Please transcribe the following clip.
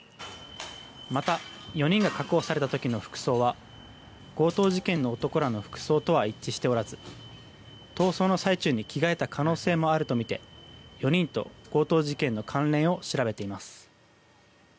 また、４人が確保された時の服装は強盗事件の男らの服装とは一致しておらず逃走の最中に着替えた可能性もあるとみて４人と強盗事件の関連を調べています。